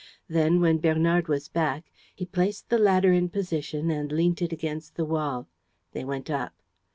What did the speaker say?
Then, when Bernard was back, he placed the ladder in position and leant it against the wall. They went up.